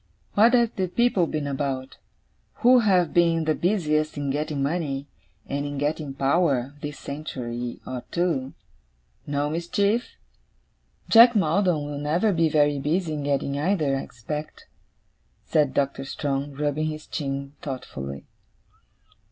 What have the people been about, who have been the busiest in getting money, and in getting power, this century or two? No mischief?' 'Jack Maldon will never be very busy in getting either, I expect,' said Doctor Strong, rubbing his chin thoughtfully.